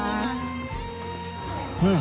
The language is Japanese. うん！